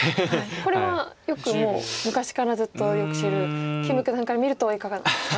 これはよく昔からずっとよく知る金九段から見るといかがですか？